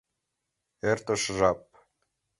Эртыш жап